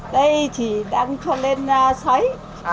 đây thì đang cho lên xáy xáy khô